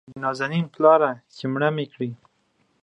شکيبا : د نازنين پلاره چې مړه مې کړې